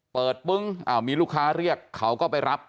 ปึ้งมีลูกค้าเรียกเขาก็ไปรับ